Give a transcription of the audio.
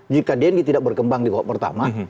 jika dendy tidak berkembang di babak pertama